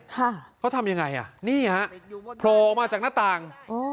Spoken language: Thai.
ค่ะเขาทำยังไงอ่ะนี่ฮะโผล่ออกมาจากหน้าต่างอ๋อ